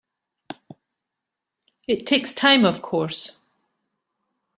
It takes time of course.